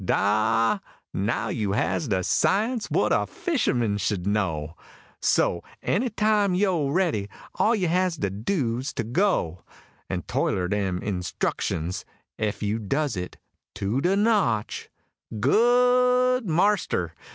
Dah! now you has de science what a fisherman sh'd know; So, any time yo' ready, all you has to do's to go, An' toiler dem instruckshuns ef you does it, to de notch, Good marster!